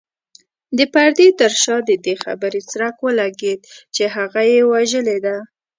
د پردې تر شا د دې خبرې څرک ولګېد چې هغه يې وژلې ده.